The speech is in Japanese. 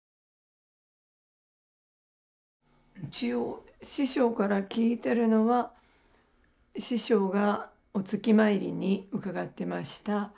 一応師匠から聞いてるのは師匠がお月参りに伺ってました